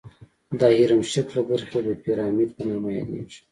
دا هرم شکله برخې د پیرامید په نامه یادیږي.